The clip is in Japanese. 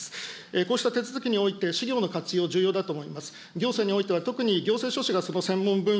こうした手続きにおいて、士業の活用、重要だと思います。